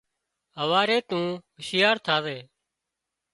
هواري تُون هُوشيار ٿازي